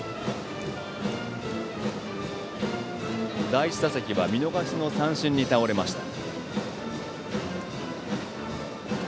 第１打席は見逃し三振に倒れました。